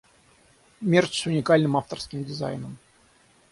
Мерч с уникальным авторским дизайном.